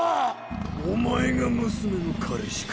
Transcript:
お前が娘の彼氏か。